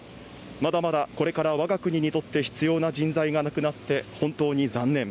まだまだ、これからわが国にとって必要な人材が亡くなって本当に残念。